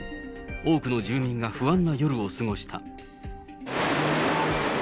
多くの住民が不安な夜を過ごした。